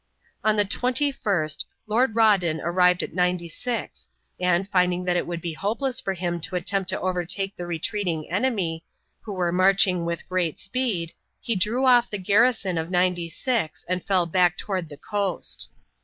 On the 21st Lord Rawdon arrived at Ninety six and, finding that it would be hopeless for him to attempt to overtake the retreating enemy, who were marching with great speed, he drew off the garrison of Ninety six and fell back toward the coast.